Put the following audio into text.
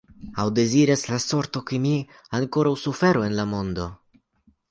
Aŭ deziras la sorto, ke mi ankoraŭ suferu en la mondo?